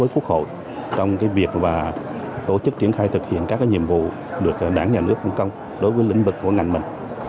quốc hội trong cái việc và tổ chức triển khai thực hiện các nhiệm vụ được đảng nhà nước không công đối với lĩnh vực của ngành mình